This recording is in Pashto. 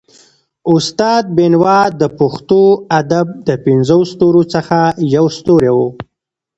استاد بينوا د پښتو ادب د پنځو ستورو څخه يو ستوری وو.